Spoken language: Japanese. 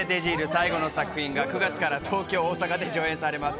最後の作品』が９月から東京、大阪で上演されます。